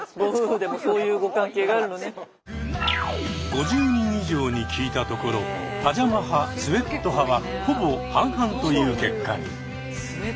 ５０人以上に聞いたところパジャマ派スウェット派はほぼ半々という結果に。